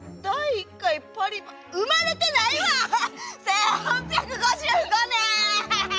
１８５５年！